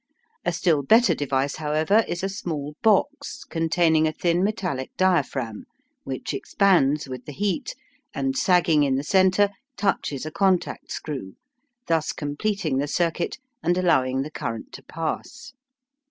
A still better device, however, is a small box containing a thin metallic diaphragm, which expands with the heat, and sagging in the centre, touches a contact screw, thus completing the circuit, and allowing the current to pass.